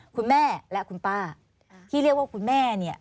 คุณแม่และคุณป้าที่เรียกว่าคุณแม่เนี่ย